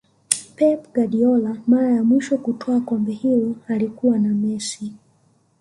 pep Guardiola mara ya mwisho kutwaa kombe hilo alikuwa na messi